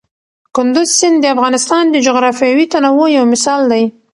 کندز سیند د افغانستان د جغرافیوي تنوع یو مثال دی.